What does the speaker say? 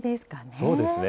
そうですね。